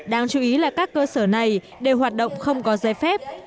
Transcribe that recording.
đáng chú ý là các cơ sở này đều hoạt động không có dây phép